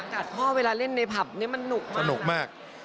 จากย๔๕นาทีเวลาเล่นในพับนี้มันสนุกมาก